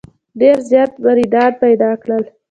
ډېر زیات مریدان پیدا کړل.